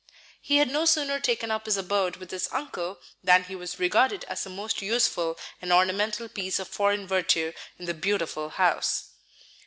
He had no sooner taken up his abode with his uncle than he was regarded as the most useful and ornamental piece of foreign vertu in the beautiful house.